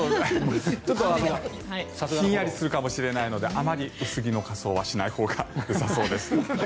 ちょっとひんやりするかもしれないのであまり薄着の仮装はしない方がよさそうです。